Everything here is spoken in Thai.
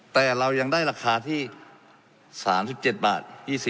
แต่เรายังได้ราคาที่๓๗บาท